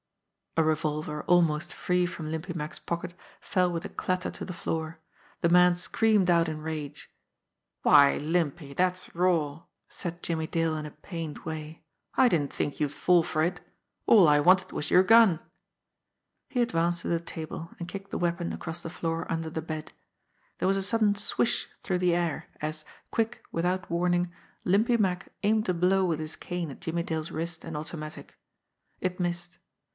A revolver, almost free from Limpy Mack's pocket, fell with a clatter to the floor. The man screamed out in rage. "Why, Limpy, that's raw," said Jimmie Dale in a pained way. "I didn't think you'd fall for it. All I wanted was your gun." He advanced to the table, and kicked the weapon across the floor under the bed. There was a sudden swish through the air, as, quick MAN WITH THE RUBBER TIPPED CANE 67 without warning, Limpy Mack aimed a blow with his cane at Jimmie Dale's wrist and automatic. It missed.